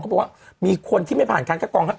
เขาบอกว่ามีคนที่ไม่ผ่านคาร์ดคัดกรอง